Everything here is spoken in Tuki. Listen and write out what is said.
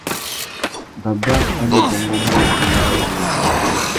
Baba a nu bôngômú máh wŭndú.